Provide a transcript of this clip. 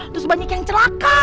terus banyak yang celaka